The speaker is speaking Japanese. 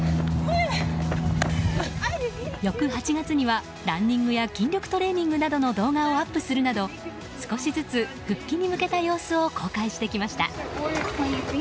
翌８月にはランニングや筋力トレーニングの動画をアップするなど少しずつ復帰に向けた様子を公開してきました。